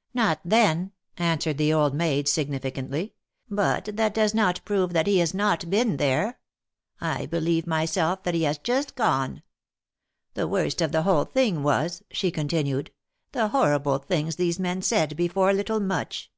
" Not then," answered the old maid, significantly, " but that does not prove that he has not been there. I believe myself that he had just gone. The worst of the whole thing was," she continued, " the horrible things these men said before little Much.